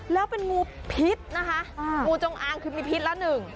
แล้วเป็นงูพิษนะคะงูจงอางคือมีพิษละหนึ่ง